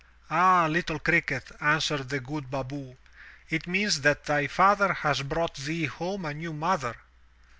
"Ah, Uttle cricket," answered the good baboo, "it means that thy father has brought thee home a new mother.